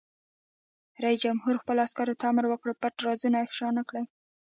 رئیس جمهور خپلو عسکرو ته امر وکړ؛ پټ رازونه افشا نه کړئ!